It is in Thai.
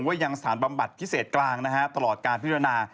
ว่ายังสถานบำบัดพิเศษกลางนะฮะตลอดการพิจารณา